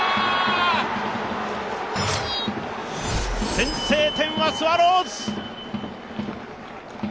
先制点はスワローズ。